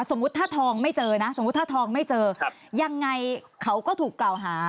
สมมุติถ้าทองไม่เจอนะยังไงเขาก็ถูกกล่าวหา